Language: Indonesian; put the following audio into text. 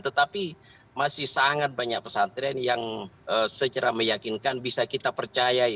tetapi masih sangat banyak pesantren yang secara meyakinkan bisa kita percaya